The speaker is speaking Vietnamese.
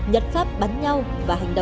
nhật pháp bắn nhau và hành động